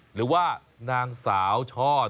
หรือว่านางสาวช่อ